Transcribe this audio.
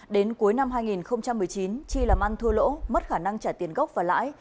đến cuối năm hai nghìn một mươi chín chi làm ăn thua lỗ mất khả năng trả tiền gốc và lãi